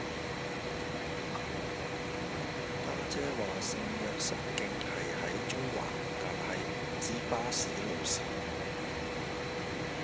家姐話聖若瑟徑係喺中環但係唔知巴士路線